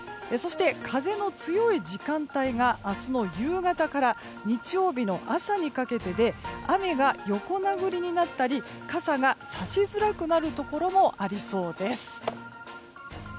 そして、風の強い時間帯が明日の夕方から日曜日の朝にかけてで雨が横殴りになったり傘がさしづらくなるところもありそうです。